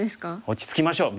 落ち着きましょう。